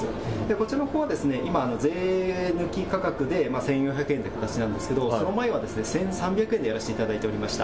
こちらのほうは税抜き価格で１４００円で出しているんですがその前は１３００円でやらしていただいていました。